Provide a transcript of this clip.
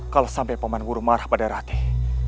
kalau sampai peman guru marah pada ratih